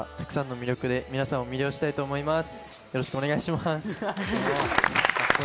僕のスタイルや、たくさんの魅力で皆さんを魅了したいと思います。